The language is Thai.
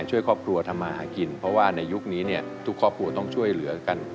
ช่วยครอบครัวทำมาหากินเพราะว่าในยุคนี้เนี่ยทุกครอบครัวต้องช่วยเหลือกัน